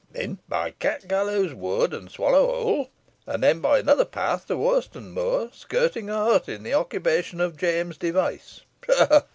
Then by Cat Gallows Wood and Swallow Hole; and then by another path to Worston Moor, skirting a hut in the occupation of James Device ha! ha!